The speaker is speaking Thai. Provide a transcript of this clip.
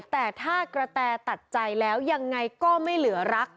แต่ถ้ากระแตตัดใจแล้วยังไงก็ไม่เหลือรัก